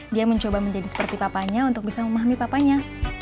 dia mencoba menjadi seperti papanya untuk bisa memahami papanya